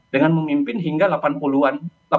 dengan memimpin hingga delapan puluh an